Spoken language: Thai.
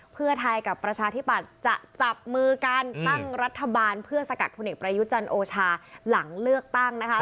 เพื่อไทยกับประชาธิปัตย์จะจับมือการตั้งรัฐบาลเพื่อสกัดพลเอกประยุจันทร์โอชาหลังเลือกตั้งนะคะ